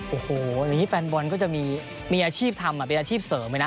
โอ้โหอย่างนี้แฟนบอลก็จะมีอาชีพทำเป็นอาชีพเสริมเลยนะ